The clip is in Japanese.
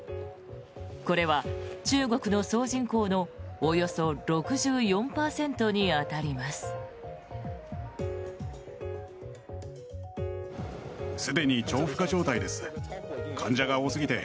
これは中国の総人口のおよそ６４％に当たります。